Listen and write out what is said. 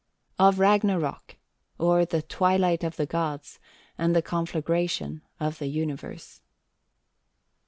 OF RAGNAROK, OR THE TWILIGHT OE THE GODS, AND THE CONFLAGRATION OF THE UNIVERSE.